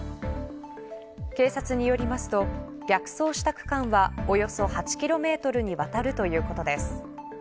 警察によりますと逆走した区間はおよそ８キロにわたるということです。